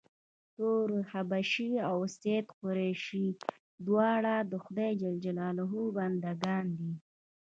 تور حبشي او سید قریشي دواړه د خدای ج بنده ګان دي.